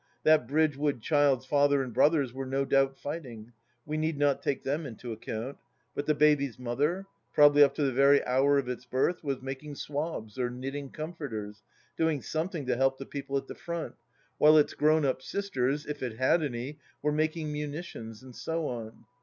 That Bridgewood child's father and brothers were no doubt fighting : we need not take them in to account. But the baby's mother, probably up to the very hour of its birth, was making swabs or knitting comforters — doing something to help the people at the front — whUe it's grown up sisters, if it had any, were making munitions, and so on.